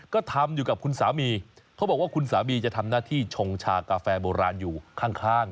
ก็ทำอยู่กับคุณสามีเขาบอกว่าคุณสามีจะทำหน้าที่ชงชากาแฟโบราณอยู่ข้าง